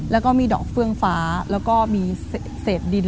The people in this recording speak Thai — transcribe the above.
แล้วก็มีดอกเฟื่องฟ้าแล้วก็มีเศษดิน